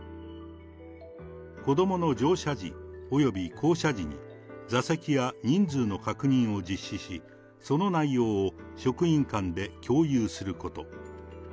子どもの乗車時、および降車時に座席や人数の確認を実施し、その内容を職員間で共有すること。